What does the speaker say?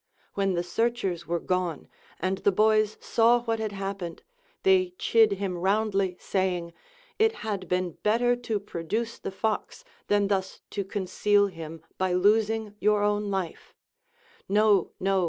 AA^hen the searchers were gone and the boys saw what had hap pened, they chid him roundly, saying, It had been better to produce the fox, than thus to conceal him by losing your own life ; No, no